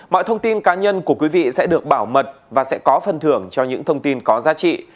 mọi thông tin cá nhân của quý vị sẽ được bảo mật và sẽ có phần thưởng cho những thông tin có giá trị